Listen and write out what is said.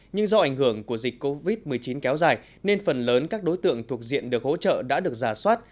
nhưng do ảnh hưởng của dịch covid một mươi chín kéo dài nên phần lớn các đối tượng thuộc diện được hỗ trợ đã được giả soát